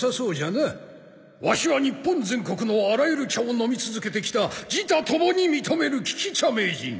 ワシは日本全国のあらゆる茶を飲み続けてきた自他ともに認めるきき茶名人